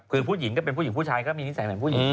คือผู้หญิงก็เป็นผู้หญิงผู้ชายก็มีนิสัยเหมือนผู้หญิง